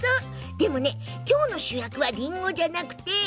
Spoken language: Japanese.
でも、きょうの主役はりんごじゃなくて。